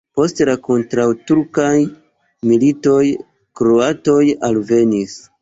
Post la kontraŭturkaj militoj kroatoj alvenis.